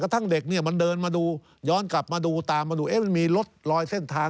แต่คุณก็ไม่มา